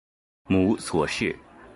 母左氏。